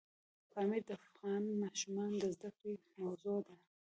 پامیر د افغان ماشومانو د زده کړې موضوع ده.